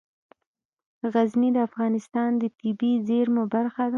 غزني د افغانستان د طبیعي زیرمو برخه ده.